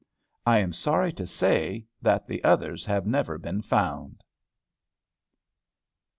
I am sorry to say that the others have never been found.